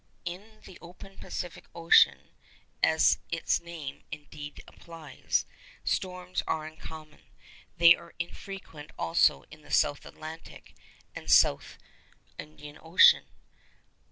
In the open Pacific Ocean (as its name, indeed, implies) storms are uncommon; they are infrequent also in the South Atlantic and South Indian Oceans.